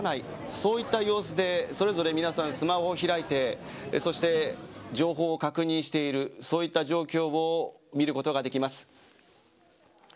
そういった様子でそれぞれ皆さん、スマホを開いてそして、情報を確認しているそういった状況を見ることができます。